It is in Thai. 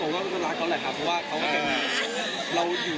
หมายคุณว่ารักตัวรักก็ไม่ว่าต้องทำงาน